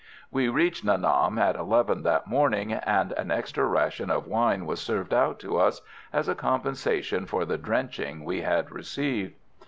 We reached Nha Nam at eleven that morning, and an extra ration of wine was served out to us, as a compensation for the drenching we had received.